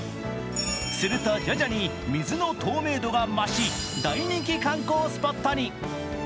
すると徐々に水の透明度が増し、大人気観光スポットに。